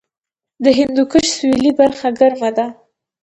د هندوکش سویلي برخه ګرمه ده